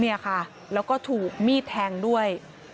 เนี่ยค่ะแล้วก็ถูกมีดแทงด้วย